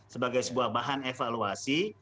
sebagai sebuah bahan evaluasi